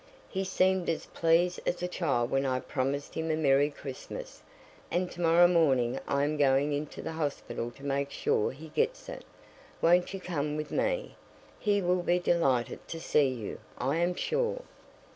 He seemed as pleased as a child when I promised him a merry Christmas, and to morrow morning I am going into the hospital to make sure he gets it. Won't you come with me? He will be delighted to see you, I am sure."